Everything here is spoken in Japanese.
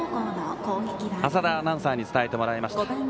浅田アナウンサーに伝えてもらいました。